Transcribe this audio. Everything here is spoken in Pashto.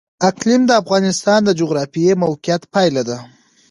اقلیم د افغانستان د جغرافیایي موقیعت پایله ده.